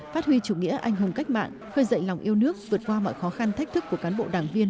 phát huy chủ nghĩa anh hùng cách mạng khơi dậy lòng yêu nước vượt qua mọi khó khăn thách thức của cán bộ đảng viên